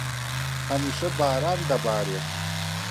هەمیشە باران دەبارێت.